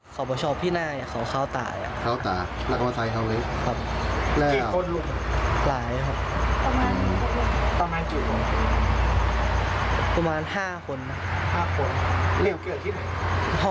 เค้าประชอบพี่หน้าเฉลยเค้าตาย